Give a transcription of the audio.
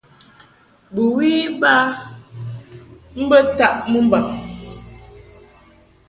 Bɨwi iba mbə taʼ mɨmbaŋ.